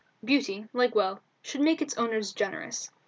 Beauty, like wealth, should make its owners generous.